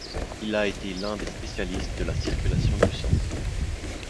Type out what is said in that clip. Il a été l'un des spécialistes de la circulation du sang.